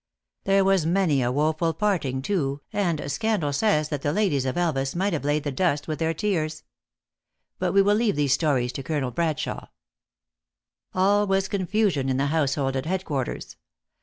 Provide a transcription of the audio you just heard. There was many a woeful parting, too, and scandal says that the ladies of Elvas might have laid the dust with their tears. But we will leave these stories to Colonel Bradshawe. THE ACTRESS IN HIGH LIFE. 399 All was confusion in the household at headquarters.